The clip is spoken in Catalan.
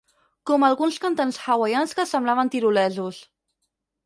Com alguns cantants hawaians que semblen tirolesos.